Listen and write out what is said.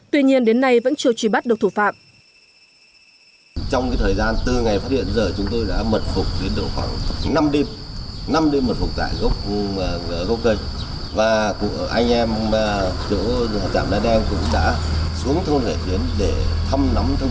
tuy nhiên đến nay vẫn chưa truy bắt được thủ phạm